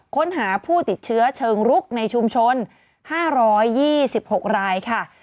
ค้นหาผู้ติดเชื้อเชิงรุกในชุมชน๕๒๖รายค่ะ